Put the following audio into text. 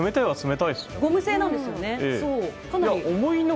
ゴム製なんですよね。